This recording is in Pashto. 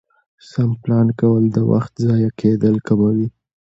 سم پلان کول د وخت ضایع کېدل کموي